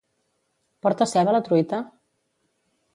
Porta ceba la truita?